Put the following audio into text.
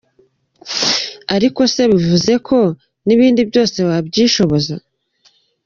Ariko se bivuze ko ni bindi byose wabyishoboza?.